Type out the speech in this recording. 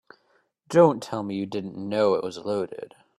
Don't tell me you didn't know it was loaded.